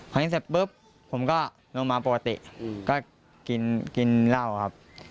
ครั้งนี้เสร็จปุ๊บผมก็ลงมาปกติก็กินเหล้าครับ